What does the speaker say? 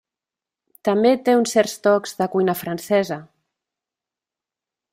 També té uns certs tocs de cuina francesa.